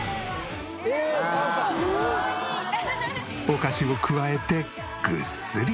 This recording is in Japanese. お菓子をくわえてぐっすり。